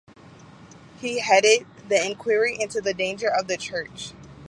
He headed the inquiry into the danger of the Church.